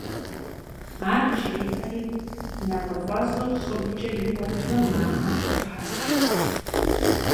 Ар жеӀэри, нэкъыфӏэщӏыр щӀыбкӀэ икӀуэтурэ мафӀэм хохьэж.